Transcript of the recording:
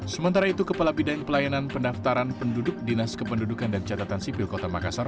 sementara itu kepala bidang pelayanan pendaftaran penduduk dinas kependudukan dan catatan sipil kota makassar